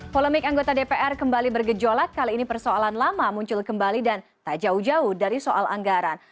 polemik anggota dpr kembali bergejolak kali ini persoalan lama muncul kembali dan tak jauh jauh dari soal anggaran